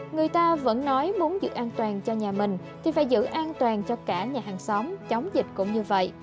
người ta vẫn nói muốn giữ an toàn cho nhà mình thì phải giữ an toàn cho cả nhà hàng xóm chống dịch cũng như vậy